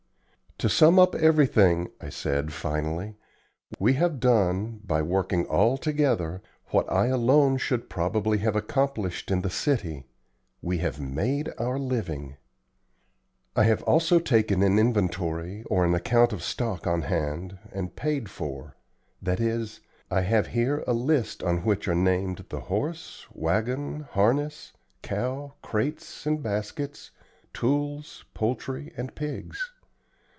"To sum up everything," I said, finally, "we have done, by working all together, what I alone should probably have accomplished in the city we have made our living. I have also taken an inventory or an account of stock on hand and paid for; that is, I have here a list on which are named the horse, wagon, harness, cow, crates and baskets, tools, poultry, and pigs.